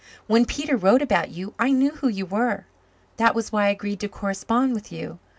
When Peter wrote about you I knew who you were. That was why I agreed to correspond with you.